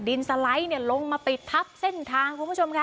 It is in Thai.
ดินไสล้นลงมาพลับเส้นทาง